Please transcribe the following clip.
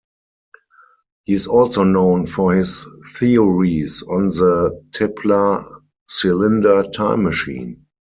He is also known for his theories on the Tipler cylinder time machine.